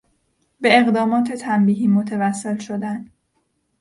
به اقدامات تنبیهی متوسل شدن